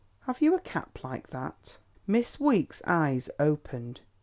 Have you a cap like that?" Miss Weeks' eyes opened.